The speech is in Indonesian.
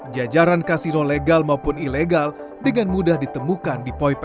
jajaran kasino legal maupun ilegal dengan mudah ditemukan